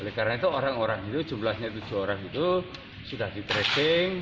oleh karena itu orang orang itu jumlahnya tujuh orang itu sudah di tracing